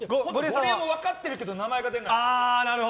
ゴリエも分かってるけど名前が出ない。